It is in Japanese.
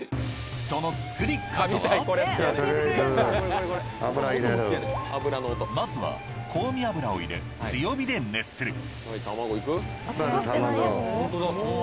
その作り方はまずは香味油を入れ強火で熱する溶かしてないやつ？